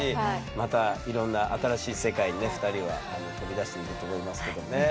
またいろんな新しい世界にね２人は飛び出していくと思いますけどね。